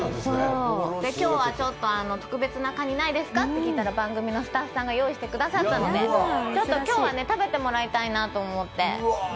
今日は特別なかにないですか？と聞いたら番組のスタッフさんが用意してくれたので今日は食べてもらいたいなと思って。